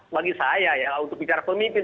bagi saya ya untuk bicara pemimpin